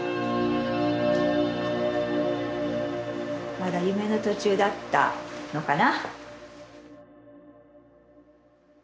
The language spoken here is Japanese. まだ夢の途中だったのかな。